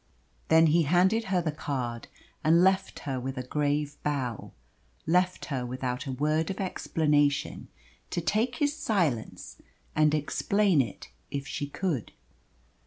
Then he handed her the card, and left her with a grave bow left her without a word of explanation, to take his silence and explain it if she could.